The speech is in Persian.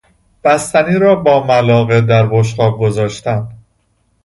بستنی را با ملاقه در بشقاب گذاشت.